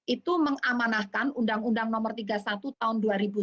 itu mengamanahkan undang undang nomor tiga puluh satu tahun dua ribu sembilan